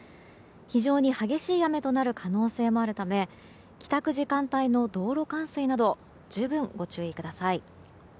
非常に激しい雨となる可能性もあるため帰宅時間帯の道路冠水など十分ご注意ください。